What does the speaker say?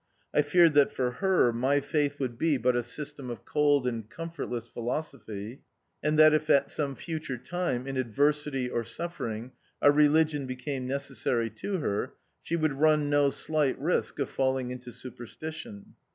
I feared that for her my faith would be bus a THE OUTCAST. 17 system of cold and comfortless philosophy, and that if at some future time, in adver sity or suffering, a religion became neces sary to her, she would run no slight risk of falling into Superstition.